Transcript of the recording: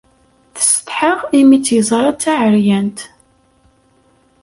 Tessetḥa imi tt-yeẓra d taɛeryant.